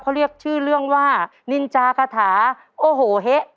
เขาเรียกชื่อเรื่องว่านินจาคาถาโอ้โหเฮะ